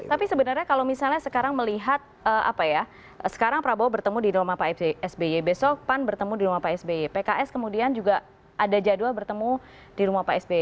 tapi sebenarnya kalau misalnya sekarang melihat apa ya sekarang prabowo bertemu di rumah pak sby besok pan bertemu di rumah pak sby pks kemudian juga ada jadwal bertemu di rumah pak sby